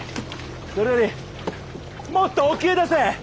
それよりもっと沖へ出せ。